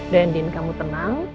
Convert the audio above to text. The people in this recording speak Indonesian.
dendin kamu tenang